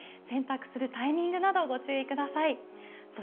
洗濯するタイミングなどご注意ください。